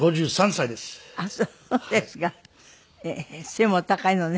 背もお高いのね。